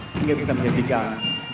hingga bisa menyajikan